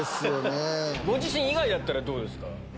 ご自身以外だったらどうですか？